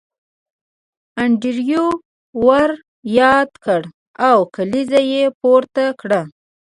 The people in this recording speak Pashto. انډریو ور یاد کړ او کلیزه یې پورته کړه